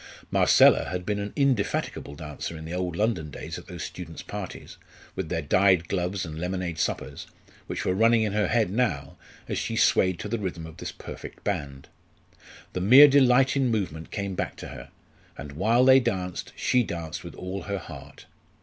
Marcella had been an indefatigable dancer in the old London days at those students' parties, with their dyed gloves and lemonade suppers, which were running in her head now, as she swayed to the rhythm of this perfect band. The mere delight in movement came back to her; and while they danced, she danced with all her heart.